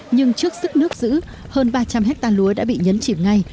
nhưng trước sức nước giữ hơn ba trăm linh hectare lúa đã bị nhấn chìm ngay